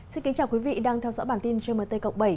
xin kính chào quý vị đang theo dõi bản tin gmt cộng bảy